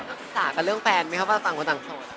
ปรึกษากับเรื่องแฟนมั้ยครับว่าต่างคนต่างส่วน